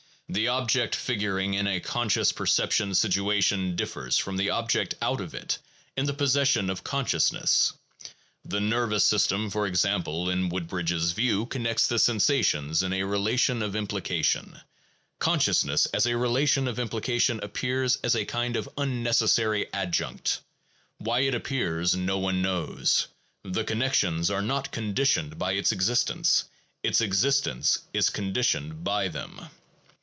The object figuring in a conscious perceptual situ ation differs from the object out of it in the possession of con sciousness. The nervous system, for example, in Woodbridge's view, connects the sensations in a relation of implication; con sciousness as a relation of implication appears as a kind of un necessary adjunct; why it appears no one knows; the connections are not conditioned by its existence; its existence is conditioned by them.